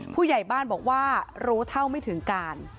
ผู้ใหญ่บ้านบอกว่ารู้เท่าไม่ถึงการ